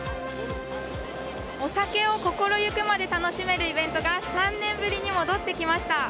お酒を心ゆくまで楽しめるイベントが３年ぶりに戻ってきました。